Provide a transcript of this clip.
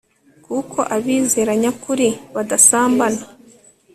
kuko abizera nyakuri badasambana